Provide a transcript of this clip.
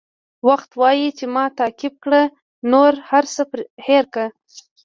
وخت وایي چې ما تعقیب کړه نور هر څه هېر کړه.